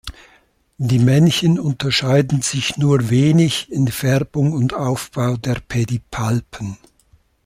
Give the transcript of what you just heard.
Die Männchen unterscheiden sich nur wenig in Färbung und Aufbau der Pedipalpen.